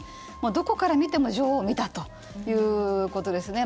どこから見ても女王を見たということですね。